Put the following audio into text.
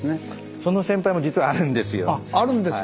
その先輩も実はあるんですよ。